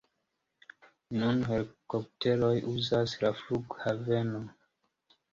Nun helikopteroj uzas la flughavenon.